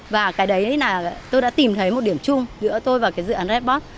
và cái đấy là tôi đã tìm thấy một điểm chung giữa tôi và cái dự án redbot